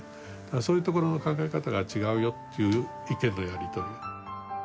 そういうところの考え方が違うよっていう意見のやり取り。